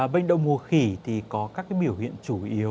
bệnh đậu mùa khỉ thì có các biểu hiện chủ yếu